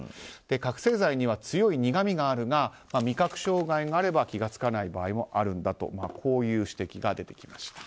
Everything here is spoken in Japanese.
覚醒剤には強い苦みがあるが味覚障害があれば気が付かない場合もあるんだとこういう指摘が出てきました。